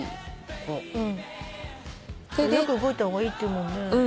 よく動いた方がいいっていうもんね。